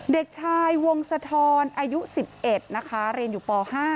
เด็กชายวงสะทรอายุ๑๑นะคะเรียนอยู่ป๕